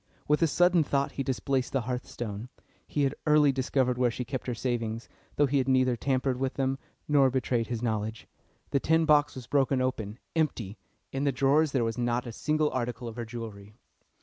With a sudden thought he displaced the hearthstone. He had early discovered where she kept her savings, though he had neither tampered with them nor betrayed his knowledge. The tin box was broken open, empty! In the drawers there was not a single article of her jewellery.